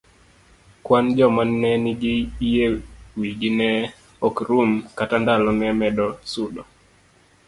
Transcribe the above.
Kwan joma ne nigi yie wigi ne ok rum kata ndalo ne medo sudo.